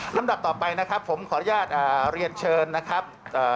ลำดับต่อไปนะครับผมขออนุญาตเรียนเชิญนะครับ